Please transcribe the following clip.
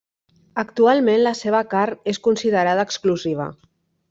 Actualment la seva carn és considerada exclusiva.